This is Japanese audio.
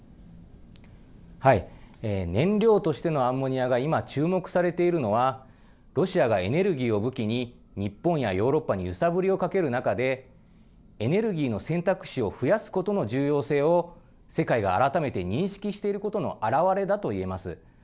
燃料としてのアンモニアが今注目されているのはロシアがエネルギーを武器に日本やヨーロッパに揺さぶりをかける中でエネルギーの選択肢を増やすことの重要性を世界が改めて認識していることの表れだと言えます。